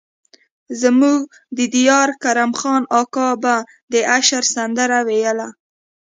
زموږ د ديار کرم خان اکا به د اشر سندره ويله.